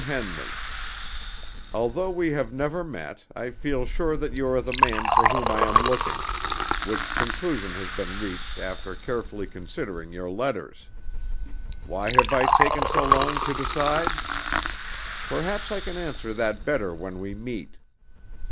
HENLEY: Although we have never met, I feel sure that you are the man for whom I am looking, which conclusion has been reached after carefully considering your letters. Why have I taken so long to decide? Perhaps I can answer that better when we meet.